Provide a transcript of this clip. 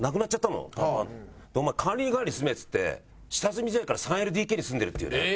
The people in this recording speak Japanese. お前管理人代わりに住めっていって下積み時代から３ＬＤＫに住んでるっていう。